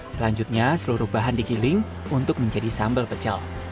selanjutnya seluruh bahan digiling untuk menjadi sambal pecel